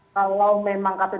kalau memang kppu ini